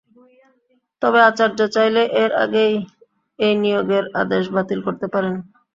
তবে আচার্য চাইলে এর আগেই এই নিয়োগের আদেশ বাতিল করতে পারেন।